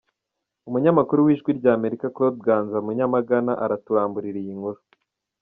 Umunyamakuru w’Ijwi ry’Amerika Claude Ganza Munyamagana araturamburira iyi nkuru.